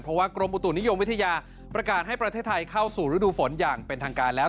เพราะว่ากรมอุตุนิยมวิทยาประกาศให้ประเทศไทยเข้าสู่ฤดูฝนอย่างเป็นทางการแล้ว